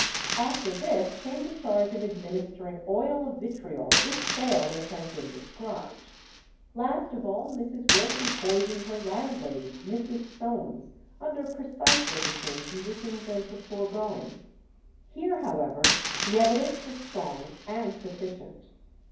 After this came the charge of administering oil of vitriol, which failed, as has been described. Last of all Mrs. Wilson poisoned her landlady, Mrs. Soames, under precisely the same conditions as the foregoing. Here, however, the evidence was strong and sufficient.